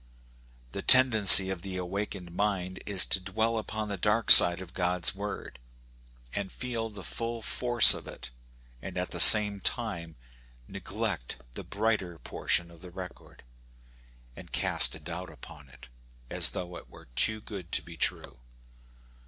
The ten dency of the awakened mind, is to dwell upon the dark side of God*s word, and feel the full force of it ; and at the same time to neglect the brighter 50 According to tfie Promise. portion of the record, and cast a doubt upon it, as though it were too good to be true.